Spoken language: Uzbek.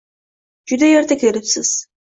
Juda erta kelibsiz.